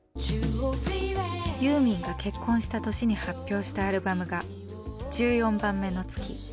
ユーミンが結婚した年に発表したアルバムが「１４番目の月」。